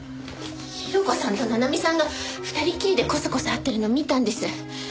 広子さんと七海さんが２人きりでコソコソ会ってるのを見たんです。